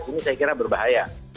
ini saya kira berbahaya